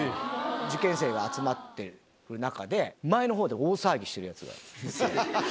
受験生が集まってる中で、前のほうで大騒ぎしているやつがいて。